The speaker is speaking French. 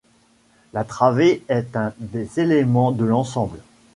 La travée est un des éléments de l'ensemble.